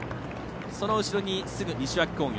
その後ろにすぐ西脇工業。